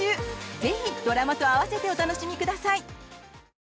ぜひ、ドラマと合わせてお楽しみください！